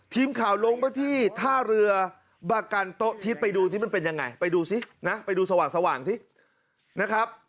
ทีมข่าวลงมาที่ท่าเรือบากันโต๊ะทิศไปดูสิมันเป็นยังไงไปดูซินะไปดูสว่างสินะครับ